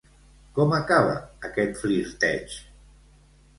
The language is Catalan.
Com acaba aquest flirteig?